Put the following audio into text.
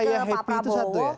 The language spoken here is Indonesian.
yang saya happy itu satu ya